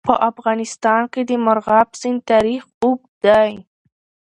په افغانستان کې د مورغاب سیند تاریخ اوږد دی.